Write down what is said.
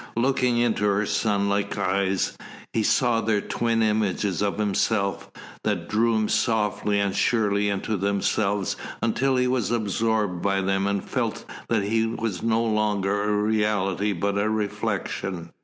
Looking into her sunlike eyes, he saw there twin images of himself, that drew him softly and surely into themselves until he was absorbed by them and felt that he was no longer a reality but a reflection.